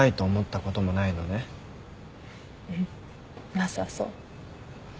なさそう。